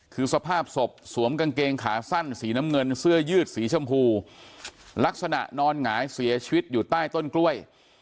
คือสภาพศพสวมกางเกงขาสั้นสีน้ำเงินเสื้อยืดสีชมพูลักษณะนอนหงายเสียชีวิตอยู่ใต้ต้นกล้วย